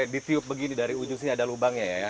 ditiup begini dari ujung sini ada lubangnya ya